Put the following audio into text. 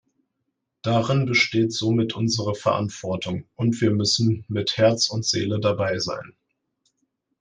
Darin besteht somit unsere Verantwortung, und wir müssen mit Herz und Seele dabei sein.